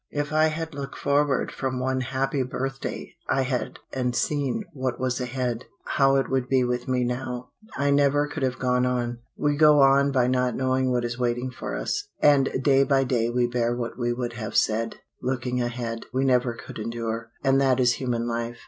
If I had looked forward from one happy birthday I had and seen what was ahead how it would be with me now I never could have gone on. We go on by not knowing what is waiting for us, and day by day we bear what we would have said, looking ahead, we never could endure and that is human life.